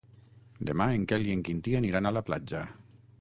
Demà en Quel i en Quintí aniran a la platja.